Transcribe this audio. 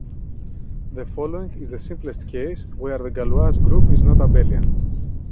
The following is the simplest case where the Galois group is not abelian.